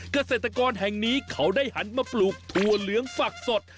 เกษตรกรแห่งนี้เขาได้หันมาปลูกถั่วเหลืองฝักสด